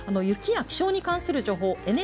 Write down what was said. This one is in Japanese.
雪や気象に関する情報